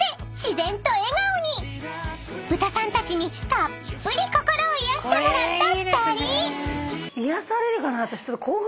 ［ブタさんたちにたっぷり心を癒やしてもらった２人］